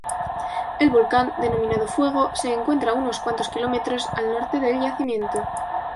El volcán denominado "Fuego" se encuentra unos cuantos kilómetros al norte del yacimiento.